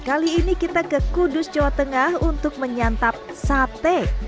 kali ini kita ke kudus jawa tengah untuk menyantap sate